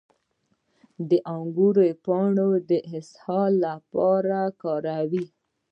د انګور پاڼې د اسهال لپاره وکاروئ